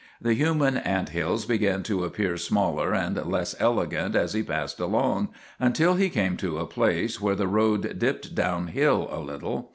The human ant hills began to appear smaller and less elegant as he passed along, until he came to a place where the road dipped down hill a little.